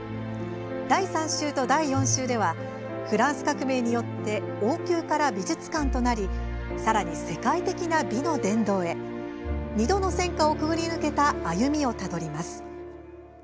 第３集と第４集ではフランス革命によって王宮から美術館となりさらに世界的な美の殿堂へ２度の戦火をくぐり抜けた歩みをたどります。